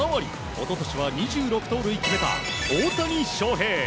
一昨年は２６盗塁決めた大谷翔平。